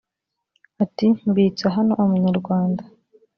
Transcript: ’ Ati ‘mbitsa hano amanyarwanda